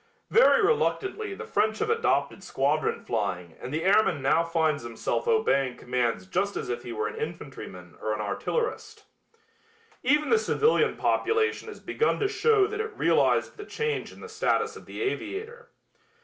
Very reluctantly the French have adopted squadron flying and the airman now finds himself obeying commands just as if he were an infantryman or an artillerist. Even the civilian population has begun to show that it realized the change in the status of the aviator.